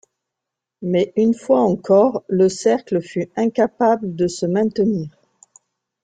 Mais une fois encore le cercle fut incapable de se maintenir.